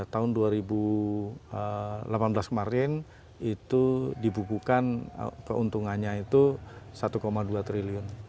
tahun dua ribu delapan belas kemarin itu dibukukan keuntungannya itu rp satu dua triliun